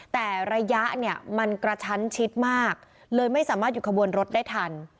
แต่ระยะเนี่ยมันกระชั้นชิดมากเลยไม่สามารถหยุดขบวนรถได้ทัน